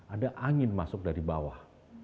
ada angin masuk dari bawah